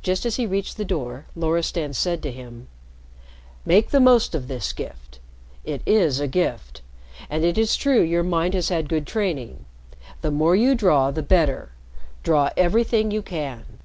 Just as he reached the door, Loristan said to him: "Make the most of this gift. It is a gift. And it is true your mind has had good training. The more you draw, the better. Draw everything you can."